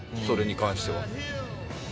それに関しては。